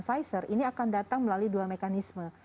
pfizer ini akan datang melalui dua mekanisme